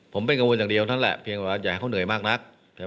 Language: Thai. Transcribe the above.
ผมเป็นกังวลอย่างเดียวนั่นแหละเพียงว่าอย่าให้เขาเหนื่อยมากนัก